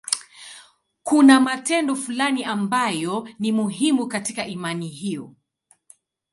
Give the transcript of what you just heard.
Kuna matendo fulani ambayo ni muhimu katika imani hiyo.